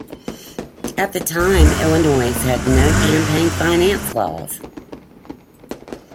At the time, Illinois had no campaign finance laws.